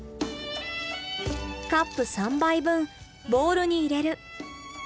カップ３杯分ボウルに入れる。